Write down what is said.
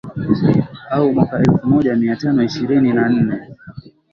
Au mwaka elfu moja mia tano ishirini na nne